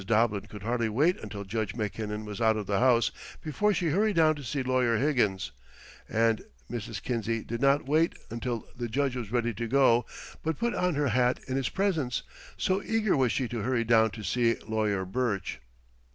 Doblin could hardly wait until Judge Mackinnon was out of the house before she hurried down to see Lawyer Higgins, and Mrs. Kinsey did not wait until the Judge was ready to go, but put on her hat in his presence, so eager was she to hurry down to see Lawyer Burch.